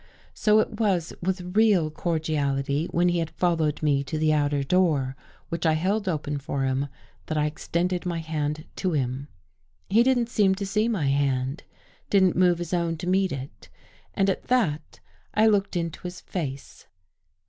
So it was with real cordiality, when he had fol lowed me to the outer door, which I held open for him, that I extended my hand to him. He didn't seem to see my hand — didn't move his own to meet it, and at that I looked into his face.